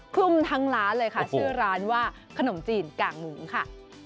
คลุมทั้งร้านเลยค่ะชื่อร้านว่าขนมจีนกางหมูค่ะ